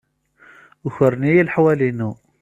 Ukren-iyi leḥwal-inu.